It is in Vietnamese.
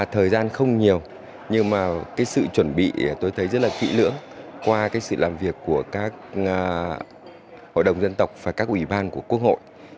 thời gian không nhiều nhưng mà cái sự chuẩn bị tôi thấy rất là kỹ lưỡng qua cái sự làm việc của các hội đồng dân tộc và các ủy ban của quốc hội